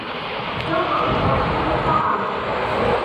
سوف أُحضرُ الطعام.